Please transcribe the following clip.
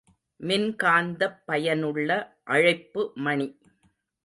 மின்காந்தப் பயனுள்ள அழைப்பு மணி.